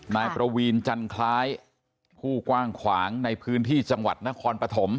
นายประวีนจันคล้ายผู้กว้างขวางในพื้นที่จังหวัดนครปฐม